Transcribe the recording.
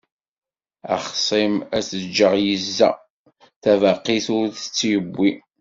Axṣim ad t-ǧǧeɣ yezza, tabaqit ur tt-yewwi.